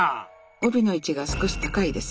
帯の位置が少し高いです。